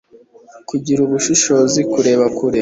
kugira ubushishozi kureba kure